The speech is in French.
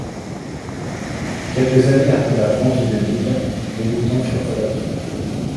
Quelques années après la vente de l’île, les moutons furent abattus.